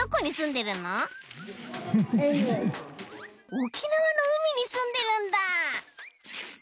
沖縄のうみにすんでるんだ！